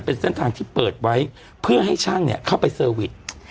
เป็นเส้นทางที่เปิดไว้เพื่อให้ช่างเนี่ยเข้าไปเซอร์วิส